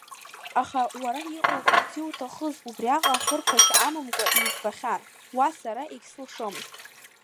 Аха уара иҟоуҵарц иуҭахыз убриаҟара хырԥашьа амамкәа иуӡбхьан, уа сара егьсылшомызт.